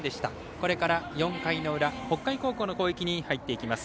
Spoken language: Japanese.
これから４回の裏北海高校の攻撃に入っていきます。